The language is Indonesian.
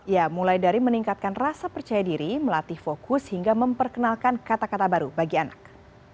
ya mulai dari meningkatkan rasa percaya diri melatih fokus hingga memperkenalkan kata kata baru bagi anak